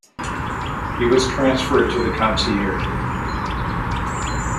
He was transferred to the "Conciergerie".